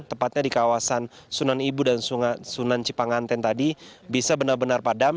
tepatnya di kawasan sunan ibu dan sunan cipanganten tadi bisa benar benar padam